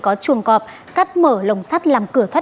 có chuồng cọp cắt mở lồng sắt làm cửa thoát